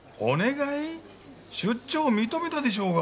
出張を認めたでしょうが。